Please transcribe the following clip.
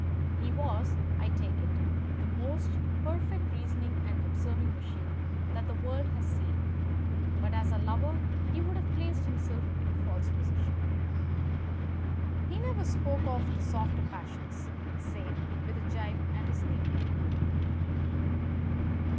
He was, I take it, the most perfect reasoning and observing machine that the world has seen; but as a lover, he would have placed himself in a false position. He never spoke of the softer passions, save with a gibe and a sneer.